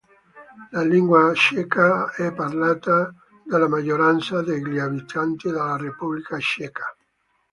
La lingua ceca è parlata dalla maggioranza degli abitanti della Repubblica Ceca.